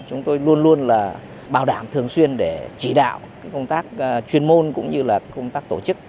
chúng tôi luôn luôn là bảo đảm thường xuyên để chỉ đạo công tác chuyên môn cũng như là công tác tổ chức